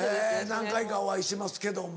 何回かお会いしてますけども。